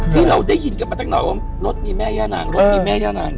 ที่เราได้ยินกันมาตั้งนานว่ารถมีแม่ย่านางรถมีแม่ย่านาง